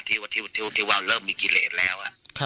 ที่ว่าเริ่มมีกิเลสแล้ว